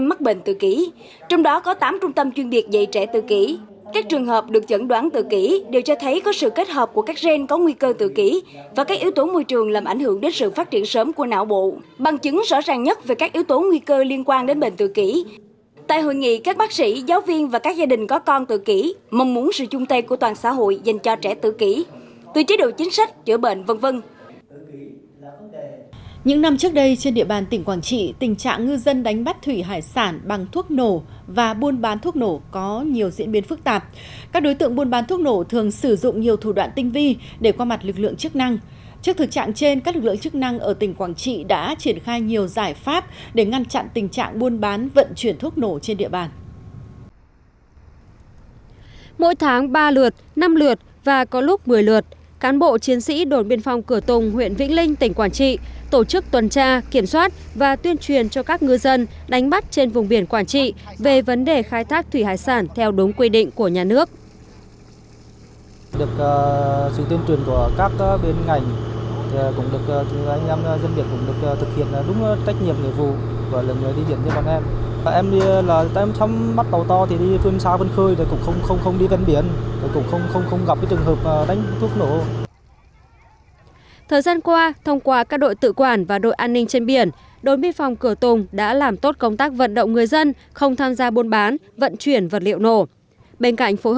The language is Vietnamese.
mỗi tháng ba lượt năm lượt và có lúc một mươi lượt cán bộ chiến sĩ đồn biên phòng cửa tùng huyện vĩnh linh tỉnh quảng trị tổ chức tuần tra kiểm soát và tuyên truyền cho các ngư dân đánh bắt trên vùng biển quảng trị về vấn đề khai thác thủy hải sản theo đúng quy định của nhà nước